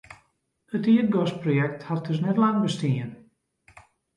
It ierdgasprojekt hat dus net lang bestien.